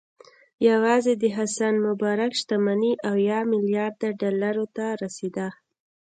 یوازې د حسن مبارک شتمني اویا میلیارده ډالرو ته رسېده.